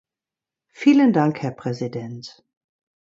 Vielen Dank, Herr Präsident!